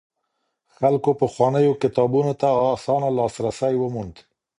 خلکو پخوانيو کتابونو ته اسانه لاسرسی وموند.